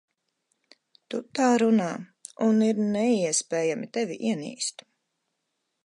Tu tā runā, un ir neiespējami tevi ienīst.